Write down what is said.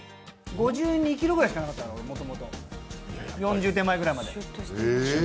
５２ｋｇぐらいしかなかったの、もともと、４０手前くらいまで。